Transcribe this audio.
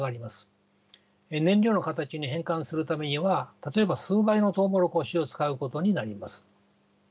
燃料の形に変換するためには例えば数倍のトウモロコシを使うことになります。